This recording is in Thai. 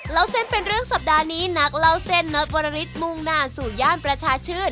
เล่าเส้นเป็นเรื่องสัปดาห์นี้นักเล่าเส้นน็อตวรริสมุ่งหน้าสู่ย่านประชาชื่น